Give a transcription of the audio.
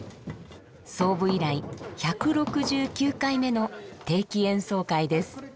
創部以来１６９回目の定期演奏会です。